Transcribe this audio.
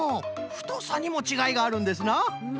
ふとさにもちがいがあるんですな。